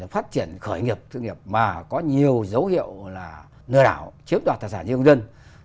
phát triển khởi nghiệp thương nghiệp mà có nhiều dấu hiệu là nơi đảo chiếm đoạt thạc sản dân dân